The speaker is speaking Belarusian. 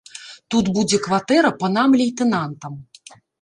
Тут будзе кватэра панам лейтэнантам.